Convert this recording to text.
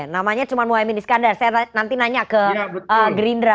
namanya cuma muhaymin iskandar saya nanti nanya ke gerindra